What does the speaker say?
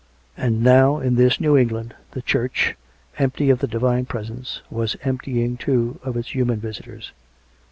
And now, in this new England, the church, empty of the Divine Presence, was emptying, too, of its human visitors.